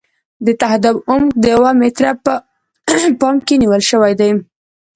د تهداب عمق دوه متره په پام کې نیول شوی دی